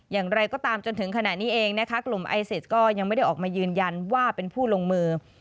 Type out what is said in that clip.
อย่างไรก็ตามจนถึงขณะนี้เองนะคะกลุ่มไอซิสก็ยังไม่ได้ออกมายืนยันว่าเป็นผู้ลงมือ